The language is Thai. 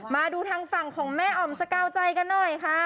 มาดูทางฝั่งของแม่อ๋อมสกาวใจกันหน่อยค่ะ